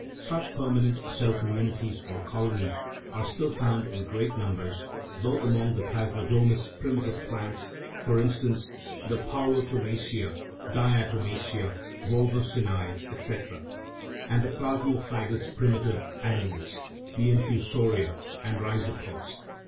Such permanent cell com munities or colonies are still found in great numbers both among the plasmodomous primitive plants (for instance, the paulotomacea, diatomacea, volvocinae, etc.) and the plasmophagous primitive animals (the infusoria and rhizopods).